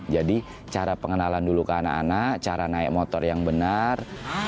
jadi cara pengenalan dulu ke anak anak cara naik motor yang benar